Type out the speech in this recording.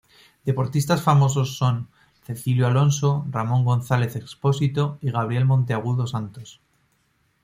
Deportistas famosos son Cecilio Alonso, Ramón González Expósito y Gabriel Monteagudo Santos,